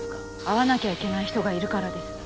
会わなきゃいけない人がいるからです。